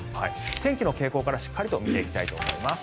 天気の傾向からしっかりと見ていきたいと思います。